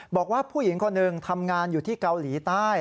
บอกว่าผู้หญิงคนหนึ่งทำงานอยู่ที่เกาหลีใต้